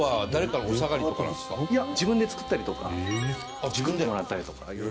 いや自分で作ったりとか作ってもらったりとか。